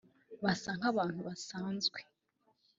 basa nk'abantu basanzwe